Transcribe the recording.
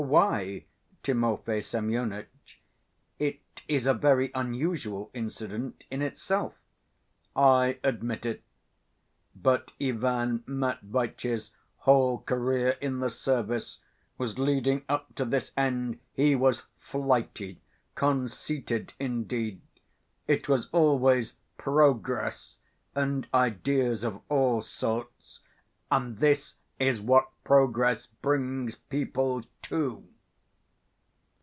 "Why, Timofey Semyonitch? It is a very unusual incident in itself...." "I admit it. But Ivan Matveitch's whole career in the service was leading up to this end. He was flighty conceited indeed. It was always 'progress' and ideas of all sorts, and this is what progress brings people to!"